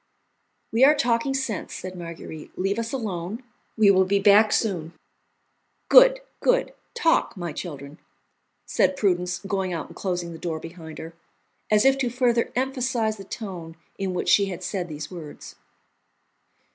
"We are talking sense," said Marguerite; "leave us alone; we will be back soon." "Good, good! Talk, my children," said Prudence, going out and closing the door behind her, as if to further emphasize the tone in which she had said these words.